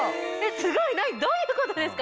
すごい！どういうことですか？